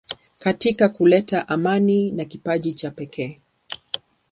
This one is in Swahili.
Katika kuleta amani ana kipaji cha pekee.